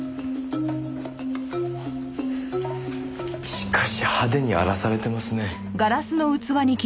しかし派手に荒らされてますね。